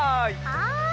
はい。